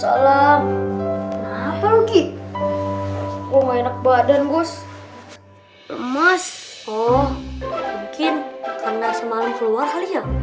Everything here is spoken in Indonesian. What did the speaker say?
oh mungkin karena semalam keluar kali ya